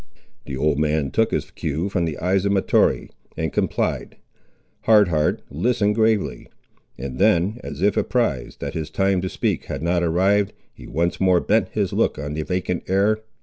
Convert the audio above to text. The old man took his cue from the eyes of Mahtoree, and complied. Hard Heart listened gravely, and then, as if apprized that his time to speak had not arrived, he once more bent his look on the vacant air.